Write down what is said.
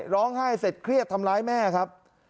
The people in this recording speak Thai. ร้องไห้เสร็จเครียดทำร้ายแม่ครับ